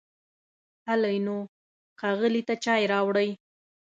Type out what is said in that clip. هلی نو، ښاغلي ته چای راوړئ!